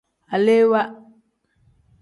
Alewaa.